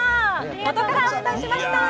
五島市からお伝えしました。